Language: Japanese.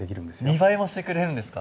２倍もしてくれるんですか？